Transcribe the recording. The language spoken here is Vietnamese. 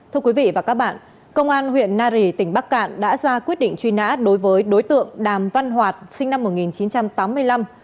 thưa quý vị và các bạn công an huyện nari tỉnh bắc cạn đã ra quyết định truy nã đối với đối tượng đàm văn hoạt sinh năm một nghìn chín trăm tám mươi năm